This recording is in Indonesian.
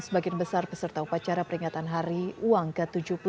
sebagian besar peserta upacara peringatan hari uang ke tujuh puluh dua